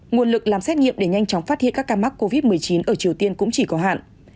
nguồn lực làm xét nghiệm để nhanh chóng phát hiện các ca mắc covid một mươi chín ở triều tiên cũng chỉ có hạn